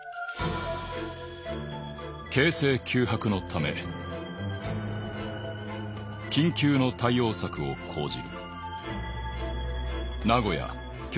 「形勢急迫のため緊急の対応策を講じる」。